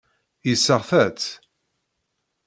Yesseɣta-t.